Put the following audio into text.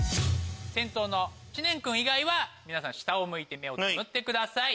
先頭の知念君以外は下を向いて目をつむってください。